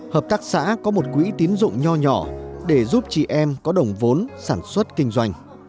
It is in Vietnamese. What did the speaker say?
hợp tác xã có một quỹ tín dụng nhỏ nhỏ để giúp chị em có đồng vốn sản xuất kinh doanh